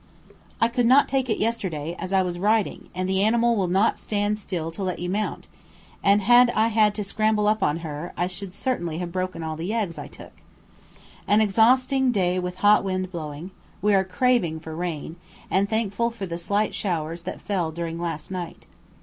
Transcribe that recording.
I could not take it yesterday, as I was riding, and the animal will not stand still to let you mount, and had I had to scramble up on to her I should certainly have broken all the eggs I took. An exhausting day with a hot wind blowing; we are craving for rain, and thankful for the slight showers that fell during last night.